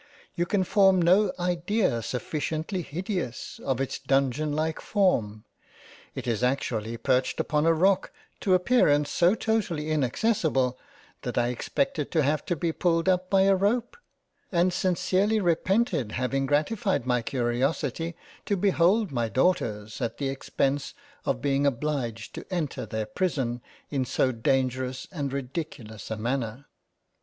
You can form no idea sufficiently hideous, of its dungeon like form. It is actually perched upon a Rock to appearance so totally in accessible, that I expected to have been pulled up by a rope ; and sincerely repented having gratified my curiosity to behold my Daughters at the expence of being obliged to enter their prison in so dangerous and ridiculous a manner.